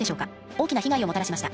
大きな被害をもたらしました。